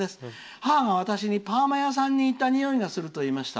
母が私にパーマ屋さんに似たにおいがするといいました。